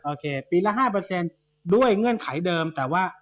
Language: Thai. โอเคปีละ๕ด้วยเงื่อนไขเดิมแต่ว่า